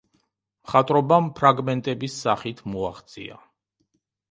მხატვრობამ ფრაგმენტების სახით მოაღწია.